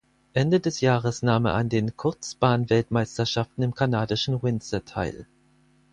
Ende des Jahres nahm er an den Kurzbahnweltmeisterschaften im kanadischen Windsor teil.